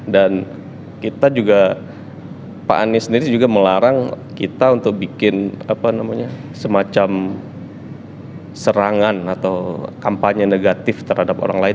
dan kita juga pak anies sendiri juga melarang kita untuk bikin semacam serangan atau kampanye negatif terhadap orang lain